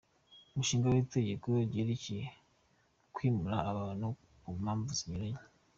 Umushinga w‟Itegeko ryerekeye kwimura abantu ku mpamvu z‟inyungu